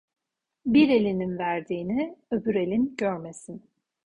Bir elinin verdiğini öbür elin görmesin.